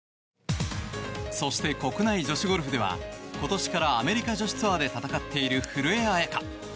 そして、国内女子ゴルフでは今年からアメリカ女子ツアーで戦っている古江彩佳。